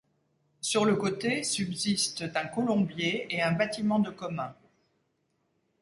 Sur le côté subsistent un colombier et un bâtiment de communs.